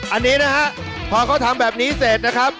อันนี้นะฮะพอเขาทำแบบนี้เสร็จนะครับ